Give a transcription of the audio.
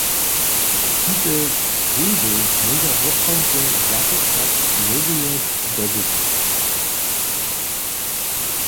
Tute wólby móža woprawdźe započatk noweje doby być.